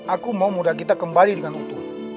aku mau modal kita kembali dengan utuh